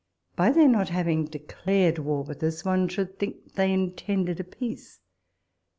By their not having declared war with us, one should think they intended a peace.